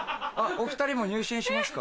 お２人も入信しますか？